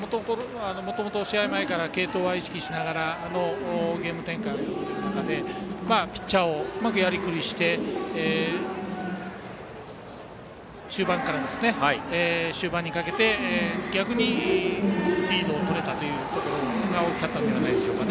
もともと試合前から継投を意識しながらのゲーム展開という中でピッチャーをうまくやりくりして中盤から、終盤にかけて逆にリードをとれたというところが大きかったのではないでしょうか。